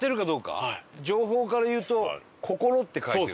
情報から言うと「心」って書いてる。